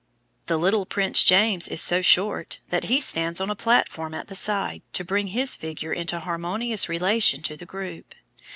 The little Prince James is so short that he stands on a platform at the side, to bring his figure into harmonious relation to the group.